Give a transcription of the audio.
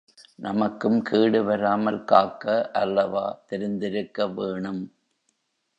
நமக்கும் கேடு வராமல் காக்க அல்லவா தெரிந்திருக்க வேணும்.